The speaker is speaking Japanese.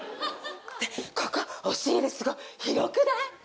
ここ押入れすごい広くない？